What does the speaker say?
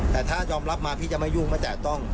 แต่ถ้ายอมรับมาพี่จะไม่ยุ่งไม่แตะต้อง